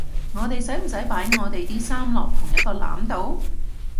我哋使唔使擺我地啲衫落同一個籃度？